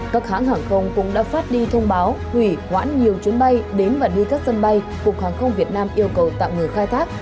các hãng hàng không cũng đã phát đi thông báo hủy hoãn nhiều chuyến bay đến và đi các sân bay cục hàng không việt nam yêu cầu tạm ngừng khai thác